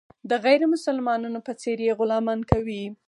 د غیر مسلمانانو په څېر یې غلامان کوي.